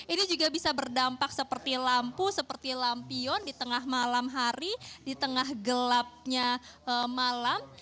ini juga bisa berdampak seperti lampu seperti lampion di tengah malam hari di tengah gelapnya malam